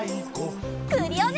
クリオネ！